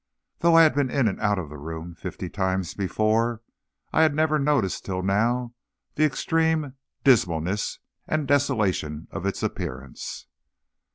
Though I had been in and out of the room fifty times before I had never noticed till now the extreme dismalness and desolation of its appearance.